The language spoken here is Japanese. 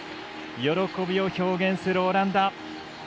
喜びを表現するオランダ。